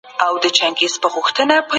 تاسو به له ناهیلۍ سره مبارزه کوئ.